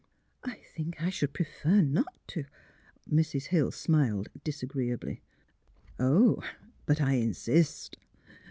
'' I think I should prefer not to " Mrs. Hill smiled, disagreeably. '' Oh ! But I insist.